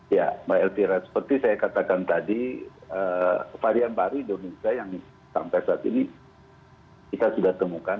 ya mbak elvira seperti saya katakan tadi varian baru indonesia yang sampai saat ini kita sudah temukan